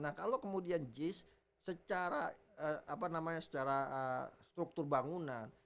nah kalau kemudian jis secara apa namanya secara struktur bangunan